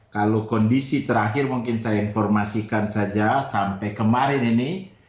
kalau kondisi terakhir mungkin saya informasikan saja sampai kemarin ini